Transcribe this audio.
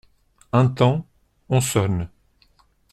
Un temps, on sonne.